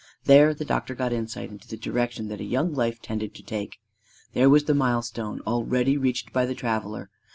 There the doctor got insight into the direction that a young life tended to take! There was the milestone already reached by the traveller!